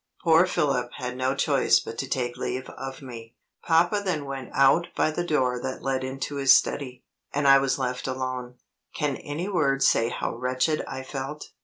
Poor Philip had no choice but to take leave of me. Papa then went out by the door that led into his study, and I was left alone. Can any words say how wretched I felt?